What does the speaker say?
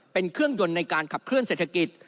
เป็นเครื่องยนต์ในการขับเคลื่อเศรษฐกิจ